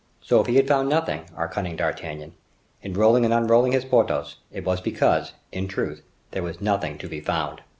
So if he had found nothing, our cunning D'Artagnan, in rolling and unrolling his Porthos, it was because, in truth, there was nothing to be found.